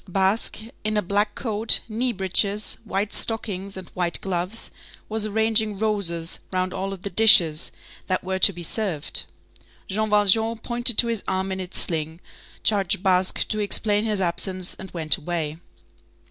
Basque, in a black coat, knee breeches, white stockings and white gloves, was arranging roses round all of the dishes that were to be served. Jean Valjean pointed to his arm in its sling, charged Basque to explain his absence, and went away.